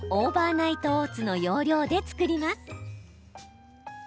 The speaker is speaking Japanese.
ナイトオーツの要領で作ります。